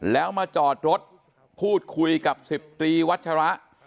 แล้วมาจอดรถพูดคุยกับ๑๐ตรีวัชระ